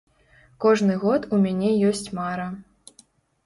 Кожны год у мяне ёсць мара.